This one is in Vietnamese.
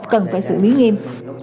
cần phải xử lý nghiêm